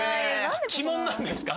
鬼門なんですか？